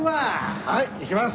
はいいきます。